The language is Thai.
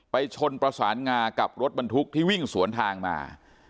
ชนประสานงากับรถบรรทุกที่วิ่งสวนทางมา